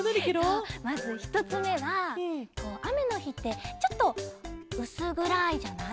そうまずひとつめはあめのひってちょっとうすぐらいじゃない？